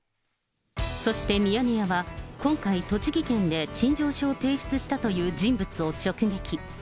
そしてミヤネ屋は、今回、栃木県で陳情書を提出したという人物を直撃。